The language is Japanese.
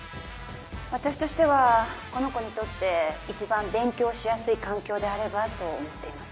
私としてはこの子にとって一番勉強しやすい環境であればと思っています。